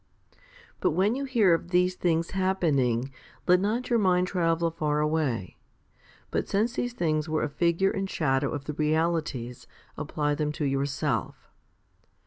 3. But when you hear of these things happening, let not your mind travel far away ; but since these things were a figure and shadow of the realities, apply them to yourself.